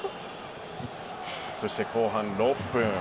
そして後半６分。